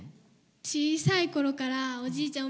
小さいころからおじいちゃん